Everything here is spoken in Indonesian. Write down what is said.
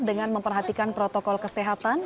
dengan memperhatikan protokol kesehatan